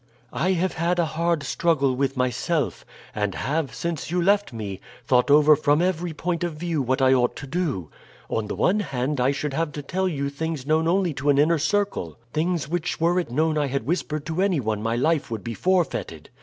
"I have had a hard struggle with myself, and have, since you left me, thought over from every point of view what I ought to do. On the one hand, I should have to tell you things known only to an inner circle, things which were it known I had whispered to any one my life would be forfeited.